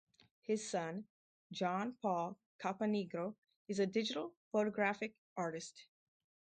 His son, John Paul Caponigro, is a digital photographic artist.